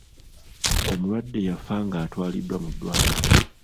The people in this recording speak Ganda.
Omulwadde yafa nga atwaliddwa mu ddwaliro.